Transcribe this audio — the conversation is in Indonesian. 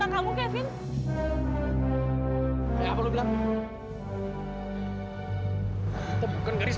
kau harus belangrijk cat dua ribu lima ratus delapan per garis